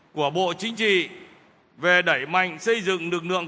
của bộ chính trị về đẩy mạnh xây dựng lực lượng